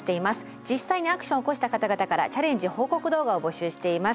実際にアクションを起こした方々からチャレンジ報告動画を募集しています。